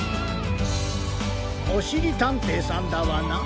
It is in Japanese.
おしりたんていさんダワナ？